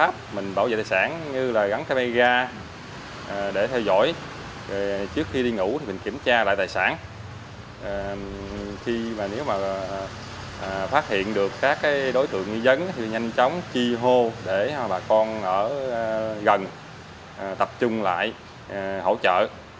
phát hiện được các đối tượng nguy dấn thì nhanh chóng chi hô để bà con ở gần tập trung lại hỗ trợ